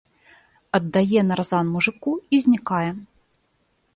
Аддае нарзан мужыку і знікае.